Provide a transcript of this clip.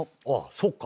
そっか。